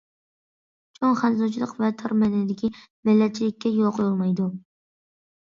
چوڭ خەنزۇچىلىق ۋە تار مەنىدىكى مىللەتچىلىككە يول قويۇلمايدۇ.